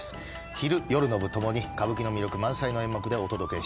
昼夜の部ともに歌舞伎の魅力満載の演目でお届けします。